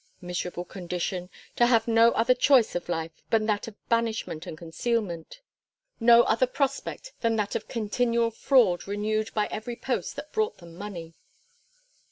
Miserable condition! To have no other choice of life but that of banishment and concealment: no other prospect than that of continual fraud renewed by every post that brought them money.